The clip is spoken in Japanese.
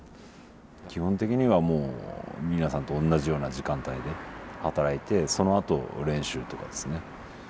基本的にはもう皆さんとおんなじような時間帯で働いてそのあと練習とかですね。